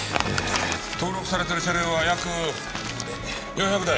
登録されてる車両は約４００台。